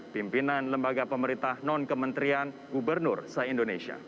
pimpinan lembaga pemerintah non kementerian gubernur se indonesia